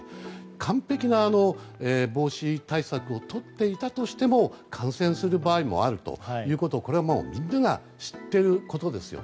完璧な防止対策をとっていたとしても感染する場合もあるということはこれはもうみんなが知っていることですよ。